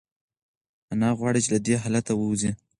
انا غواړي چې له دې حالته ووځي.